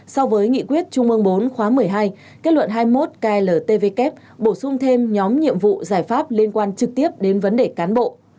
so với nghị quyết trung ương bốn khóa một mươi hai kết luận hai mươi một kltvk bổ sung thêm nhóm nhiệm vụ giải pháp liên quan trực tiếp đến vấn đề cán bộ